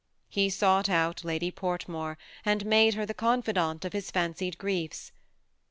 He sought out Lady Fortmore, and made her the confidante of his fancied griefs.